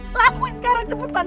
lakuin sekarang cepetan